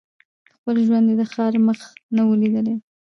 په خپل ژوند یې د ښار مخ نه وو لیدلی